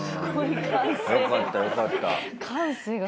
よかったよかった。